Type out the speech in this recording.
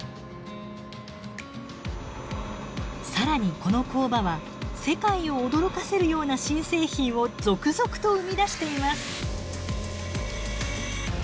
更にこの工場は世界を驚かせるような新製品を続々と生み出しています。